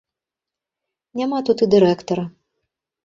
Няма тут і дырэктара.